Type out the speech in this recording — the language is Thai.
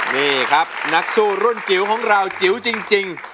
นี่ครับนักสู้รุ่นจิ๋วของเราจิ๋วจริง